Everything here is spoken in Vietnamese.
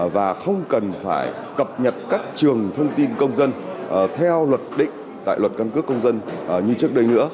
và không cần phải cập nhật các trường thông tin công dân theo luật định tại luật căn cước công dân như trước đây nữa